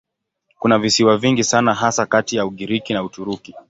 Kuna visiwa vingi sana hasa kati ya Ugiriki na Uturuki.